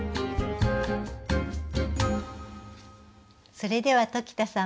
それでは鴇田さん